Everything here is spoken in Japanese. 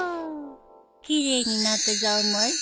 奇麗になったざます。